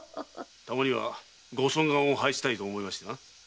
たまにはご尊顔を拝したいと思いましてな。